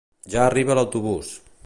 Ja arriba l'autobús